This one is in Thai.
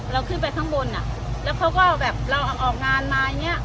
เราขึ้นไปข้างบนอ่ะแล้วเขาก็แบบเราออกงานมาอย่างเงี้